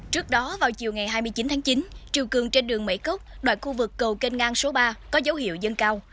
trước đó vào chiều ngày hai mươi chín tháng chín trường cường trên đường mảy cốc đoạn khu vực cầu kênh ngang số ba có dấu hiệu dân cao